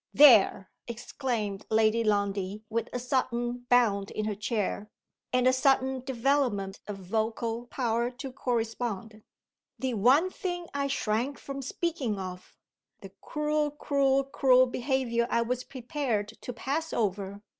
"There!" exclaimed Lady Lundie with a sudden bound in her chair, and a sudden development of vocal power to correspond. "The one thing I shrank from speaking of! the cruel, cruel, cruel behavior I was prepared to pass over!